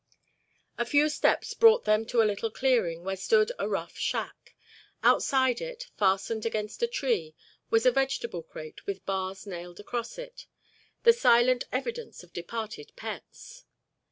A few steps brought them to a little clearing where stood a rough shack. Outside it, fastened against a tree, was a vegetable crate with bars nailed across it—the silent evidence of departed pets.